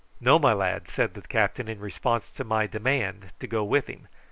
"No, my lad," said the captain in response to my demand to go with him.